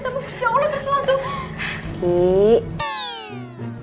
mbak rendy selamat